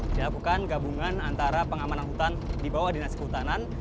dilakukan gabungan antara pengamanan hutan di bawah dinas kehutanan